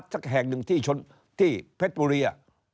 สักแห่งหนึ่งที่เพชรบุรี